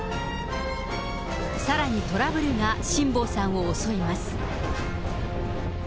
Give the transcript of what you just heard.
さらに、トラブルが辛坊さんを襲います。